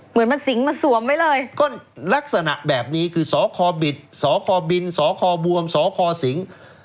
เหมือนมันสิงมาสวมไว้เลยก็ลักษณะแบบนี้คือสคบิดสคบินสคบวมสคสิง